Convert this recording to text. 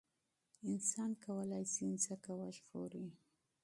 انسان کولای شي ځمکه وژغوري.